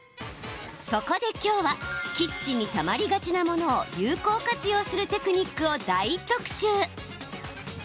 そこで、きょうはキッチンにたまりがちなものを有効活用するテクニックを大特集。